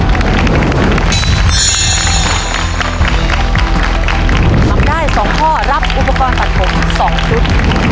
ทำได้๒ข้อรับอุปกรณ์ตัดผม๒ชุด